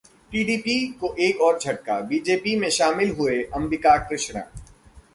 TDP को एक और झटका, बीजेपी में शामिल हुए अंबिका कृष्णा